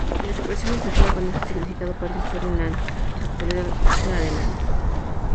La expresión, utilizada con este significado, parece ser en la actualidad exclusiva de Maine.